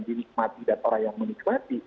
dinikmati dan orang yang menikmati